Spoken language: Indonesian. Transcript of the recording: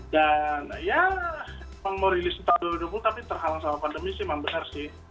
dan ya emang mau rilis di tahun dua ribu dua puluh tapi terhalang sama pandemi sih emang benar sih